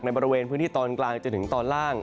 บริเวณพื้นที่ตอนกลางจนถึงตอนล่าง